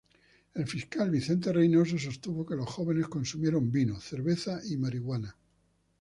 El fiscal Vicente Reinoso sostuvo que los jóvenes consumieron vino, cerveza y marihuana.